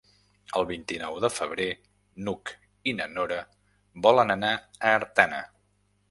El vint-i-nou de febrer n'Hug i na Nora volen anar a Artana.